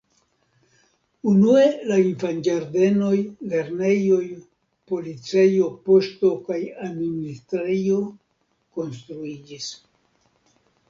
Unue la infanĝardenoj, lernejoj, policejo, poŝto kaj administrejo konstruiĝis.